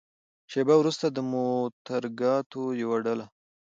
شېبه وروسته د موترګاټو يوه ډله.